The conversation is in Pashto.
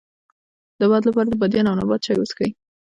د باد لپاره د بادیان او نبات چای وڅښئ